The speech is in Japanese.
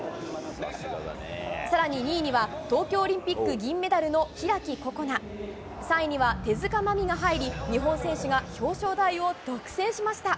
さらに２位には、東京オリンピック銀メダルの開心那、３位には手塚まみが入り、日本選手が表彰台を独占しました。